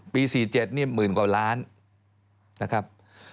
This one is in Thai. ๔๗นี่หมื่นกว่าล้านนะครับ